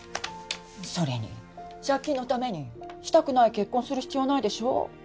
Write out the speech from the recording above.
それに借金のためにしたくない結婚する必要ないでしょ？